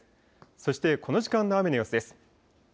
そして、この時間の雨の様子です。